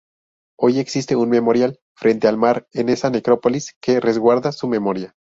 Hoy existe un memorial, frente al mar, en esa necrópolis, que resguarda su memoria.